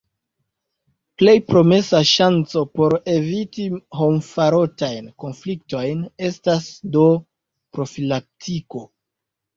Plej promesa ŝanco por eviti homfarotajn konfliktojn estas do profilaktiko.